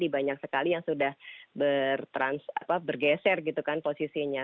banyak sekali yang sudah bergeser gitu kan posisinya